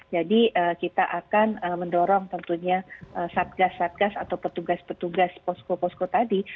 jadi kita akan mendorong tentunya satgas satgas atau petugas petugas posko posko tadi